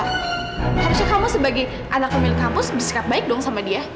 harusnya kamu sebagai anak pemilik kampus bersikap baik dong sama dia